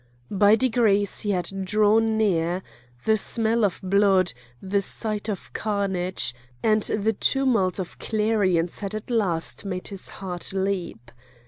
By degrees he had drawn near; the smell of blood, the sight of carnage, and the tumult of clarions had at last made his heart leap.